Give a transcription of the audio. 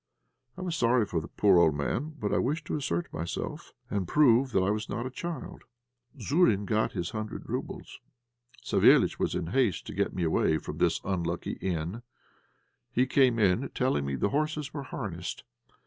I was sorry for the poor old man, but I wished to assert myself, and prove that I was not a child. Zourine got his hundred roubles. Savéliitch was in haste to get me away from this unlucky inn; he came in telling me the horses were harnessed.